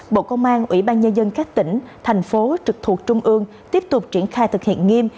bộ công an ủy ban nhân dân các tỉnh thành phố trực thuộc trung ương tiếp tục triển khai thực hiện nghiêm